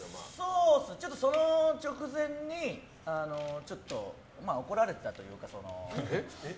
その直前に怒られてたというか。